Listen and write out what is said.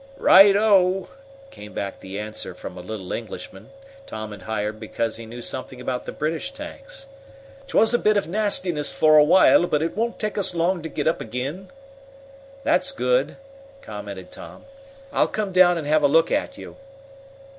"Right o!" came back the answer from a little Englishman Tom had hired because he knew something about the British tanks. "'Twas a bit of nastiness for a while, but it won't take us long to get up ag'in." "That's good!" commented Tom. "I'll come down and have a look at you."